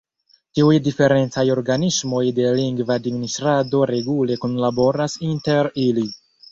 Tiuj diferencaj organismoj de lingva administrado regule kunlaboras inter ili.